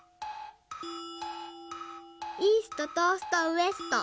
「イースト」「トースト」「ウエスト」。